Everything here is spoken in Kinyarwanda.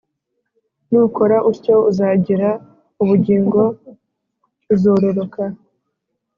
nukora utyo uzagira ubugingo, uzororoka